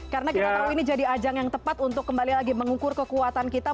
karena kita tahu ini jadi ajang yang tepat untuk kembali lagi mengukur kekuatan kita